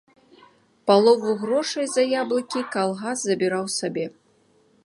Палову грошай за яблыкі калгас забіраў сабе.